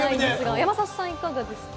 山里さん、いかがですか？